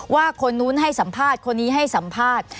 ว่าคนนู้นให้สัมภาษณ์คนนี้ให้สัมภาษณ์